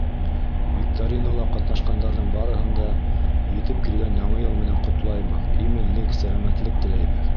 Викторинала ҡатнашҡандарҙың барыһын да етеп килгән Яңы йыл менән ҡотлайбыҙ, именлек, сәләмәтлек теләйбеҙ.